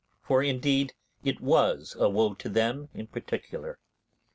For, indeed, it was a woe to them in particular.